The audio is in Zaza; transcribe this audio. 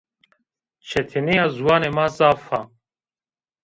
Çetinîya ziwanê ma zaf a